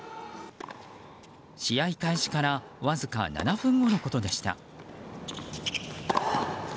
試合開始からわずか７分後のことでした。